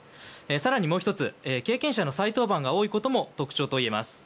更にもう１つ経験者の再登板が多いことも特徴と言えます。